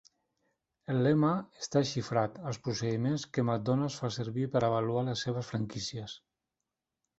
El lema està xifrat als procediments que McDonald's fa servir per avaluar les seves franquícies.